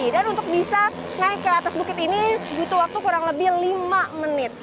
dan untuk bisa naik ke atas bukit ini butuh waktu kurang lebih lima menit